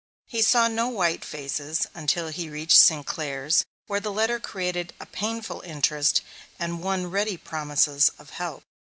He saw no white faces until he reached Sinclair's, where the letter created a painful interest and won ready promises of help.